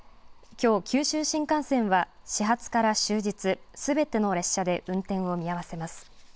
きょう、九州新幹線は始発から終日、すべての列車で運転を見合わせます。